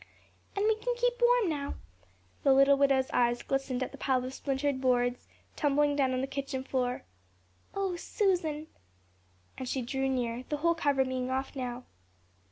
"And we can keep warm now." The little widow's eyes glistened at the pile of splintered boards tumbling down on the kitchen floor. "Oh, Susan," and she drew near, the whole cover being off now.